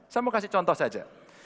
saya mau kasih contoh saja